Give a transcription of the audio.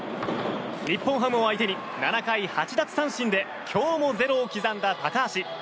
日本ハムを相手に７回８奪三振で今日もゼロを刻んだ高橋。